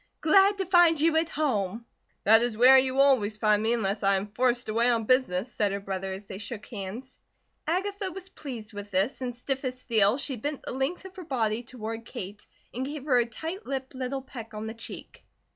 "Glad to find you at home." "That is where you will always find me unless I am forced away on business," said her brother as they shook hands. Agatha was pleased with this, and stiff as steel, she bent the length of her body toward Kate and gave her a tight lipped little peck on the cheek.